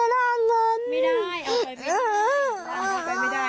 ไม่ได้เอาไปไม่ได้ร่างนี้ไปไม่ได้หรอกเพราะเป็นมนุษย์